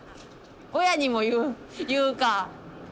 親にも言う言うか！